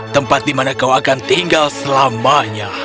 tempat di mana kau akan tinggal selamanya